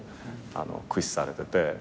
駆使されてて。